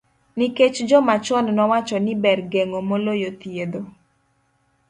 Nikech joma chon nowacho ni ber geng'o moloyo thiedho.